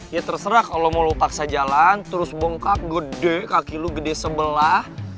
ya terserah kalau mau lo paksa jalan terus bongkak gede kaki lu gede sebelah